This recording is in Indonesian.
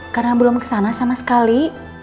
karena belum kesana sama sekali